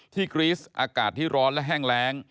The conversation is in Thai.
กรี๊สอากาศที่ร้อนและแห้งแรง